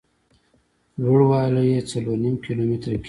لوړ والی یې څلور نیم کیلومتره کېږي.